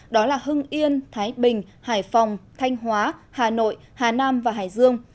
đó là hưng yên thái bình hải phòng thanh hóa hà nội hà nam và hải dương